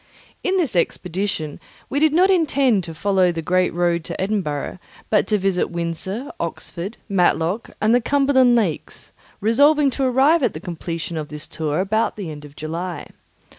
In this expedition we did not intend to follow the great road to Edinburgh, but to visit Windsor, Oxford, Matlock, and the Cumberland lakes, resolving to arrive at the completion of this tour about the end of July.